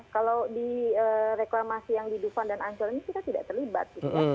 kalau di reklamasi yang di dufan dan ancol ini kita tidak terlibat gitu ya